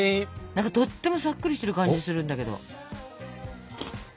とってもさっくりしてる感じするんだけど。